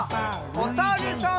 おさるさん。